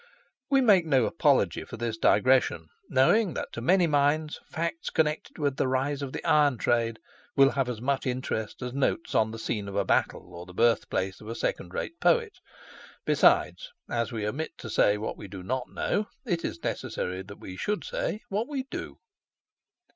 We make no apology for this digression, knowing that, to many minds, facts connected with the rise of the iron trade will have as much interest as notes on the scene of a battle or the birthplace of a second rate poet, besides, as we omit to say what we do not know, it is necessary we should say what we do.